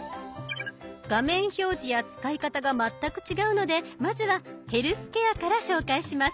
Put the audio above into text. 画面表示や使い方が全く違うのでまずは「ヘルスケア」から紹介します。